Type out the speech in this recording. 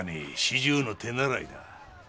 四十の手習いだ。